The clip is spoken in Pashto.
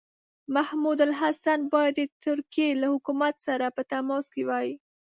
محمودالحسن باید د ترکیې له حکومت سره په تماس کې وای.